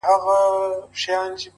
پوري زهر د خپل ښکار د غوښو خوند سو-